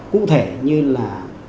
cụ thể như là